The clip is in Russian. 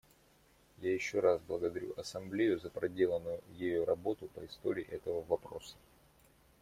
Я еще раз благодарю Ассамблею за проделанную ею работу по истории этого вопроса.